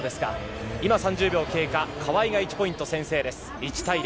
今３０秒経過、川井が１ポイント先制。